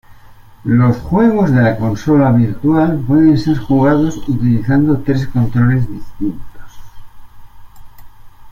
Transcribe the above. Los juegos de la consola virtual pueden ser jugados utilizando tres controles distintos.